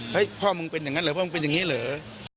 พ่อมึงเป็นอย่างนั้นเหรอพ่อมึงเป็นอย่างนี้เหรอ